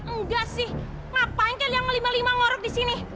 enggak sih ngapain kalian melima lima ngorok di sini